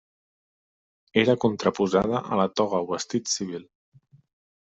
Era contraposada a la toga o vestit civil.